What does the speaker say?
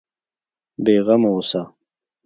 بېغمه اوسه.